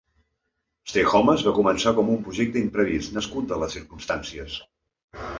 Stay Homas va començar com un projecte imprevist, nascut de les circumstàncies.